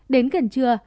đến gần trưa